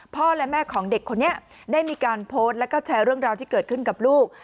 พ่อและแม่ของเด็กคนนี้ได้มีการโพสต์แล้วก็แชร์เรื่องราวที่เกิดขึ้นกับลูก